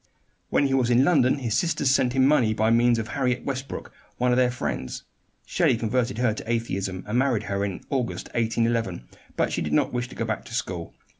When he was in London his sisters sent him money by means of Harriet Westbrook, one of their friends. Shelley converted her to atheism, and married her in August, 1811, because she did not wish to go back to school.